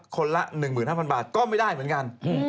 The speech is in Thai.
คนละ๑๕๐๐บาทก็ไม่ได้เหมือนกัน